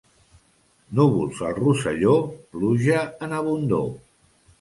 Núvols al Rosselló, pluja en abundor.